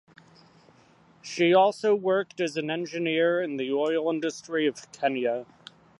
She also worked as an engineer in the oil industry of Kenya.